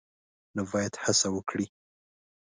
نو باید هڅه وکړي